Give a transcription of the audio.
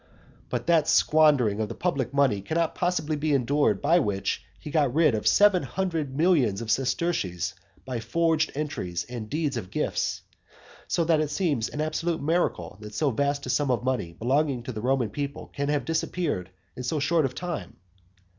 But that squandering of the public money cannot possibly be endured by which he got rid of seven hundred millions of sesterces by forged entries and deeds of gifts, so that it seems an absolute miracle that so vast a sum of money belonging to the Roman people can have disappeared in so short a time.